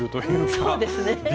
そうですね